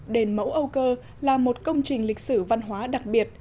đền mẫu âu cơ là một công trình lịch sử văn hóa đặc biệt